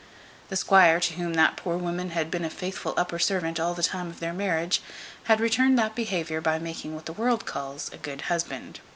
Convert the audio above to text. The squire, to whom that poor woman had been a faithful upper servant all the time of their marriage, had returned that behaviour by making what the world calls a good husband.